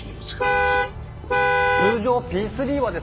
通常ＰⅢはですね